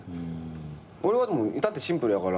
俺は至ってシンプルやから。